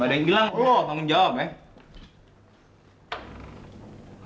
ada yang bilang lo mau jawab ya